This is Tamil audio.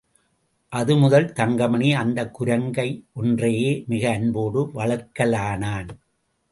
அதுமுதல் தங்கமணி அந்தக் குரங்கு ஒன்றையே மிக அன்போடு வளர்க்கலானான்.